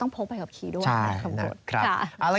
ต้องพกใบขับขี่ด้วยนะครับผมพูดค่ะค่ะใช่ครับ